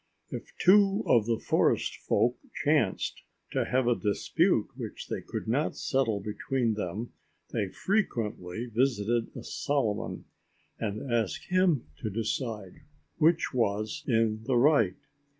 If two of the forest folk chanced to have a dispute which they could not settle between them they frequently visited Solomon and asked him to decide which was in the right.